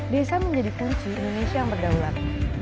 desa menjadi kunci indonesia yang berdaulat